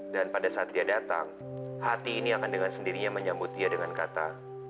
dan pada saat dia datang hati ini akan dengan sendirinya menyambut dia dengan kata